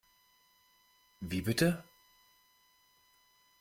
Wie bitte?